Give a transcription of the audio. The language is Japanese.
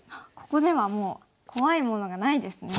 ここではもう怖いものがないですね。